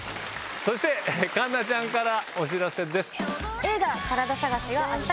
そして環奈ちゃんからお知らせです。